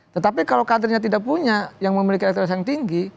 tetapi kalau kadernya tidak punya yang memiliki elektabilitas yang tinggi